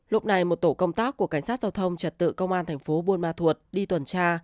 lúc này một tổ công tác của cảnh sát giao thông trật tự công an thành phố buôn ma thuột đi tuần tra